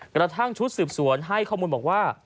กระทั่งชุดสืบสวนให้ข้อมูลบอกว่า